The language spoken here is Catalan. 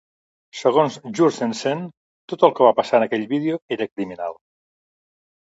Segons Jourgensen, Tot el que va passar en aquell vídeo era criminal.